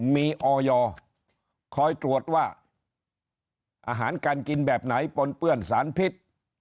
มีออยคอยตรวจว่าอาหารการกินแบบไหนปนเปื้อนสารพิษ